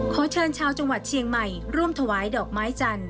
ขอเชิญชาวจังหวัดเชียงใหม่ร่วมถวายดอกไม้จันท